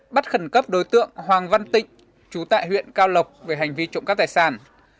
bắt khẩn cấp đối tượng hoàng văn tịnh chú tại huyện cao lộc về hành vi trộm cắp tài sản